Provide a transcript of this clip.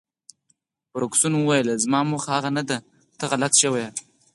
فرګوسن وویل: زما موخه هغه نه ده، ته غلطه شوې.